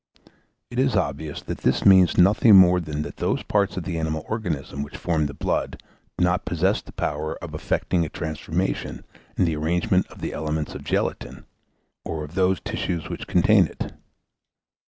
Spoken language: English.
It is obvious that this means nothing more than that those parts of the animal organism which form the blood do not possess the power of effecting a transformation in the arrangement of the elements of gelatine, or of those tissues which contain it.